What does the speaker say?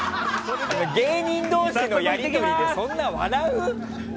芸人同士のやりとりでそんな笑う？